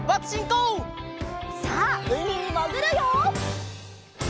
さあうみにもぐるよ！